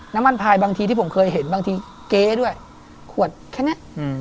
น้ำมันพลายบางทีที่ผมเคยเห็นบางทีเก๊ด้วยขวดแค่นี้๕๐๐๐